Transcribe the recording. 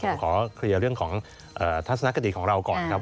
ผมขอเคลียร์เรื่องของทัศนคดีของเราก่อนครับ